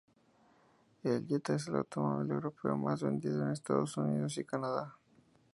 El Jetta es el automóvil europeo más vendido en Estados Unidos y Canadá.